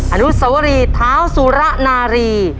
อนุสวรีเท้าสุระนารี